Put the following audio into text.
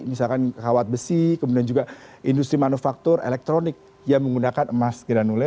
misalkan kawat besi kemudian juga industri manufaktur elektronik yang menggunakan emas granule